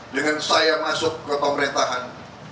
dengan saya masuk ke pemerintahan